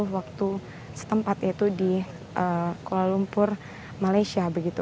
waktu setempat yaitu di kuala lumpur malaysia begitu